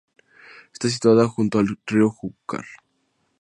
Está situada junto al río Júcar.